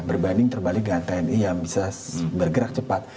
berbanding terbalik dengan tni yang bisa bergerak cepat